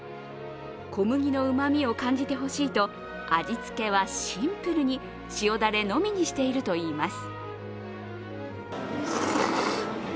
小麦のうまみを感じてほしいと味付けはシンプルに、塩だれのみにしているといいます。